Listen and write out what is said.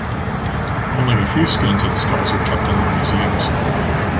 Only a few skins and skulls are kept in the museums.